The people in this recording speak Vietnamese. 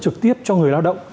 trực tiếp cho người lao động